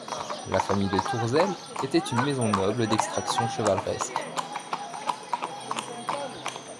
La famille de Tourzel était une maison noble d'extraction chevaleresque.